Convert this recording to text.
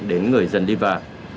đến người dân litva